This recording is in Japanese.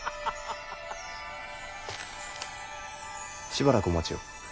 しばらくお待ちを。